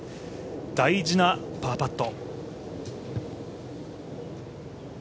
大事なパーパット。